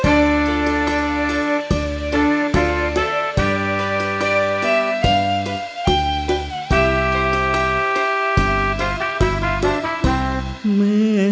อัลพิมพ์